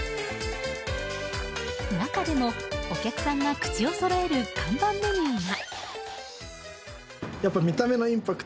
中でも、お客さんが口をそろえる看板メニューが。